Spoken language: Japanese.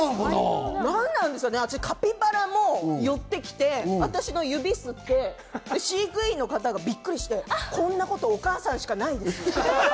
私、カピバラも寄ってきて、私の指を吸って、飼育員の方がびっくりして、こんなことお母さんしかないんですって。